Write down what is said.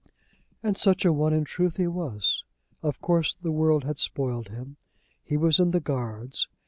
And such a one in truth he was. Of course the world had spoiled him. He was in the Guards.